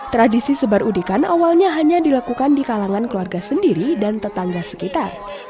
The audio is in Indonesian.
tradisi sebar udikan awalnya hanya dilakukan di kalangan keluarga sendiri dan tetangga sekitar